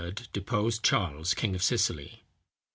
deposed Charles, king of Sicily.